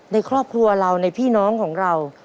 ในครอบครัวเราในพี่น้องของเรา